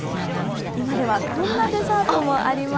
今ではこんなデザートもあります。